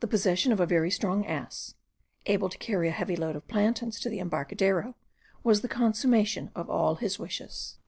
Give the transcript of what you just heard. The possession of a very strong ass, able to carry a heavy load of plantains to the embarcadero, was the consummation of all his wishes.